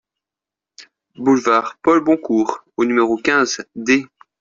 Boulevard Paul Boncour au numéro quinze D